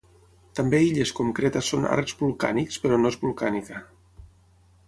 També illes com Creta són arcs vulcànics però no és vulcànica.